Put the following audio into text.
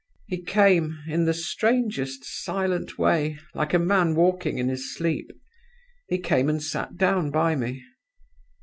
"He came in the strangest silent way, like a man walking in his sleep he came and sat down by me.